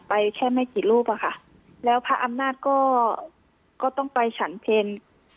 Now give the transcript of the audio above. แค่ไม่กี่รูปอะค่ะแล้วพระอำนาจก็ก็ต้องไปฉันเพล